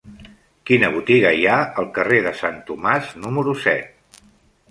Quina botiga hi ha al carrer de Sant Tomàs número set?